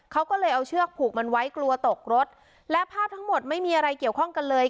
เขาก็เลยเอาเชือกผูกมันไว้กลัวตกรถและภาพทั้งหมดไม่มีอะไรเกี่ยวข้องกันเลย